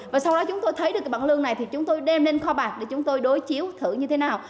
và sau đó chúng tôi thấy được cái bảng lương này thì chúng tôi đem nên kho bạc để chúng tôi đối chiếu thử như thế nào